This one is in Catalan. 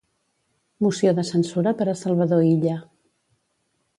Moció de censura per a Salvador Illa.